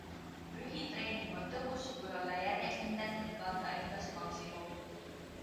Rühitreening on tõhus, kui olla järjekindel ning anda endast maksimum.